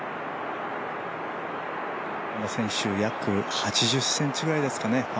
この選手、約８０ｃｍぐらいですかね